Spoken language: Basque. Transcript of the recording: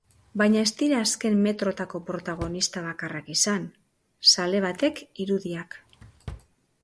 Baina ez dira azken metrotako protagonista bakarrak izan, zale batek irudiak.